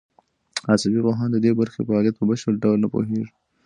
عصبي پوهان د دې برخې فعالیت په بشپړ ډول نه پوهېږي.